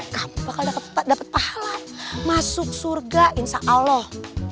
kamu bakal dapat pahala masuk surga insya allah